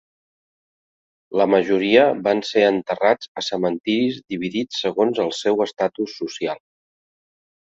La majoria van ser enterrats a cementiris dividits segons el seu estatus social.